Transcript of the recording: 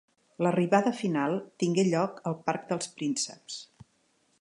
L'arribada final tingué lloc al Parc dels Prínceps.